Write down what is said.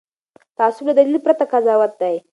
تعصب له دلیل پرته قضاوت دی